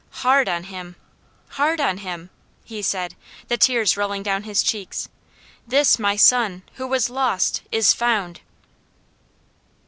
"'Hard on him! Hard on him!'" he said, the tears rolling down his cheeks. "'This my son, who was lost, is found!'"